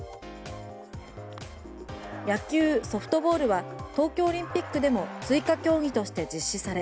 野球・ソフトボールは東京オリンピックでも追加競技として実施され